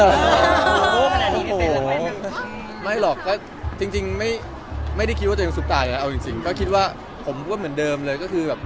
โอ๋ไม่หรอกก็จริงไม่ได้คิดว่าจะมีสุขต่าลเอาจริงก็คิดว่าผมเหมือนเดิมเลย